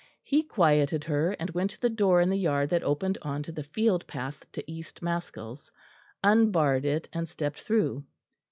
He quieted her, and went to the door in the yard that opened on to the field path to East Maskells, unbarred it and stepped through.